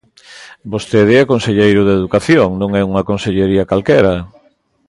Vostede é conselleiro de Educación, non é unha consellería calquera.